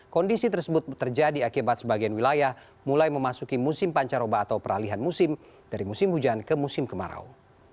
kondisi tersebut terjadi akibat sebagian wilayah mulai memasuki musim pancaroba atau peralihan musim dari musim hujan ke musim kemarau